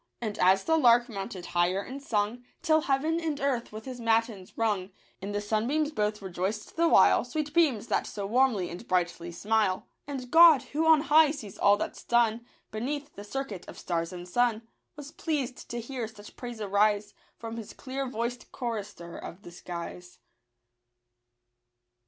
And as the lark mounted higher and sung, Till heaven and earth with his matins rung, In the sunbeams both rejoiced the while — Sweet beams, that so warmly and brightly smile ! And God, who on high sees all that's done Beneath the circuit of stars and sun, Was pleased to hear such praise arise From his clear voiced chorister of the skies.